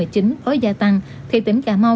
có gia tăng thì tỉnh cà mau